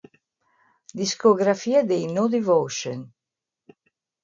Discografia dei No Devotion